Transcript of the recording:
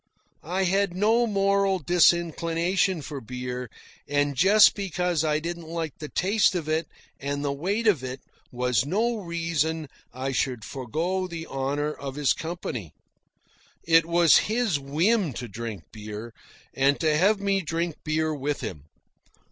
I had no moral disinclination for beer, and just because I didn't like the taste of it and the weight of it was no reason I should forgo the honour of his company. It was his whim to drink beer, and to have me drink beer with him.